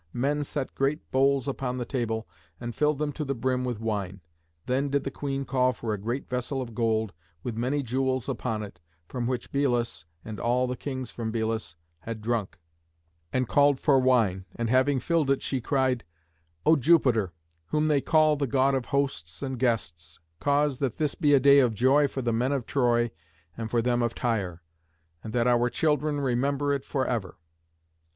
men set great bowls upon the table and filled them to the brim with wine. Then did the queen call for a great vessel of gold, with many jewels upon it, from which Belus, and all the kings from Belus, had drunk, and called for wine, and having filled it she cried, "O Jupiter, whom they call the god of hosts and guests, cause that this be a day of joy for the men of Troy and for them of Tyre, and that our children remember it for ever.